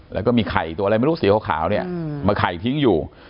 แล้วก็มีไข่ตัวอะไรไม่รู้สีขาวเนี่ยมาไข่ทิ้งอยู่